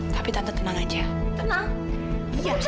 tapi tante tenang aja